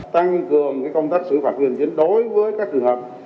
tăng cường công tác xử phạt quyền chiến đối với các trường hợp